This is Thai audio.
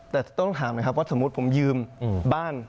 แต่ต้องถามนะครับว่าสมมุติผมยืมบ้าน